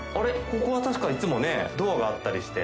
ここは確かいつもねドアがあったりして。